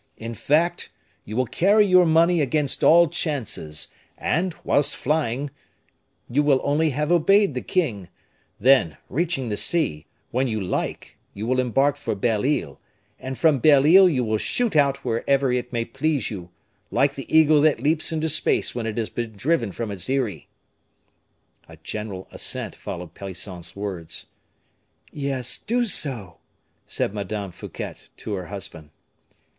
In fact, you will carry your money against all chances; and, whilst flying, you will only have obeyed the king; then, reaching the sea, when you like, you will embark for Belle Isle, and from Belle Isle you will shoot out wherever it may please you, like the eagle that leaps into space when it has been driven from its eyrie." A general assent followed Pelisson's words. "Yes, do so," said Madame Fouquet to her husband.